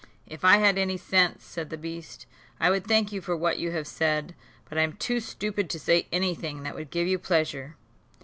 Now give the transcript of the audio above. "If I had any sense," said the beast, "I would thank you for what you have said; but I am too stupid to say any thing that would give you pleasure."